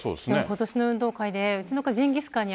今年の運動会でうちの子「ジンギスカン」に